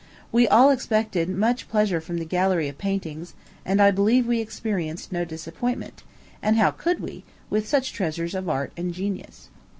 We all expected much pleasure from the gallery of paintings, and I believe we experienced no disappointment; and how could we, with such treasures of art and genius?